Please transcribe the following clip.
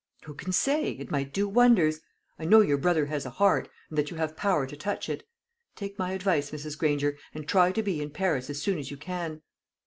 "Who can say? It might do wonders. I know your brother has a heart, and that you have power to touch it. Take my advice, Mrs. Granger, and try to be in Paris as soon as you can."